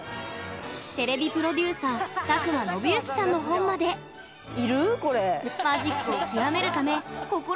ＴＶプロデューサー佐久間宣行さんの本まで普通にね。